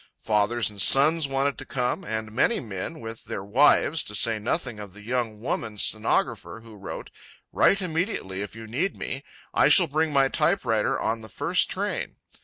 Fathers and sons wanted to come, and many men with their wives, to say nothing of the young woman stenographer who wrote: "Write immediately if you need me. I shall bring my typewriter on the first train."